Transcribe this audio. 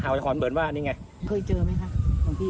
ทางผู้ชมพอเห็นแบบนี้นะทางผู้ชมพอเห็นแบบนี้นะ